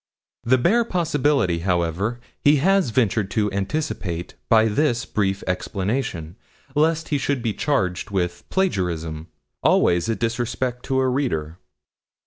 The bare possibility, however, he has ventured to anticipate by this brief explanation, lest he should be charged with plagiarism always a disrespect to a reader.